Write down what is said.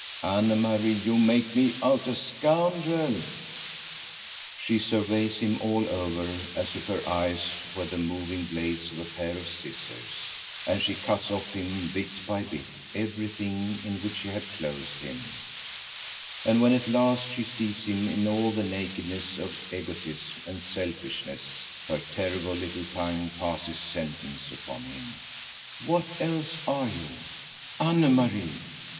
"Anne Marie, you make me out a scoundrel!" She surveys him all over as if her eyes were the moving blades of a pair of scissors, and she cuts off him bit by bit everything in which she had clothed him; and when at last she sees him in all the nakedness of egotism and selfishness, her terrible little tongue passes sentence upon him:— "What else are you?" "Anne Marie!"